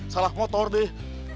salah motor deh